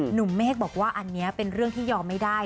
เมฆบอกว่าอันนี้เป็นเรื่องที่ยอมไม่ได้